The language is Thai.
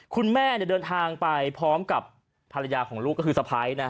คุณแม่เดินทางไปพร้อมกับภรรยาของลูกก็คือสะพ้าย